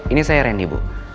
ini saya ren di ibu